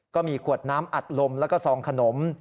ก็มีขวดน้ำอัดลมแล้วก็ซองขนม